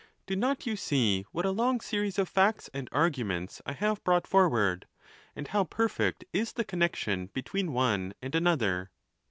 Do not you see what a long series of facts and arguments IT have brought forward, and how perfect is the connexion between one and another?